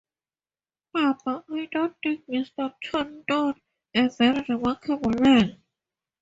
Papa, I do think Mr Thornton a very remarkable man.